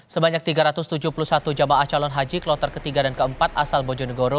sebanyak tiga ratus tujuh puluh satu jamaah calon haji kloter ketiga dan keempat asal bojonegoro